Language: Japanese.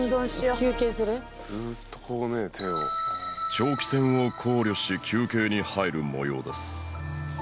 長期戦を考慮し休憩に入るもようです